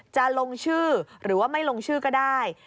จะลงชื่อหรือว่าไม่ลงชื่อก็ได้